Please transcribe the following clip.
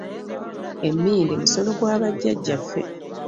Emindi musono gwa bajjaja ffe.